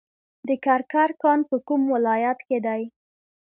د کرکر کان په کوم ولایت کې دی؟